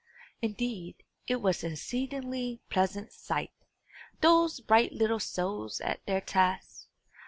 Indeed, it was an exceedingly pleasant sight, those bright little souls at their task!